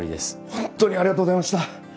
ほんとにありがとうございました。